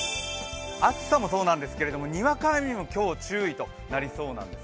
暑さもそうなですけど、にわか雨にも今日は注意ということなんです。